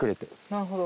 なるほど。